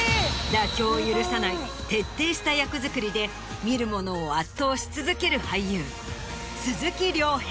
妥協を許さない徹底した役作りで見る者を圧倒し続ける。